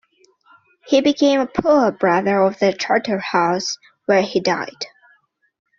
He became a poor brother of the Charterhouse, where he died.